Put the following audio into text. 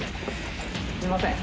すみません。